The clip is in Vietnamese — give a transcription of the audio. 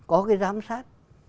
có cái giám sát